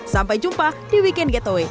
sampai jumpa di wikipedia